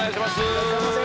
いらっしゃいませ。